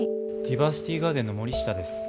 ディバーシティガーデンの森下です。